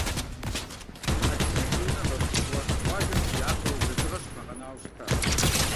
Ӏэлисахь и унэм абы щыгъуэ, къуажэм щыяпэу, уэздыгъэ щыпагъэнауэ щытащ.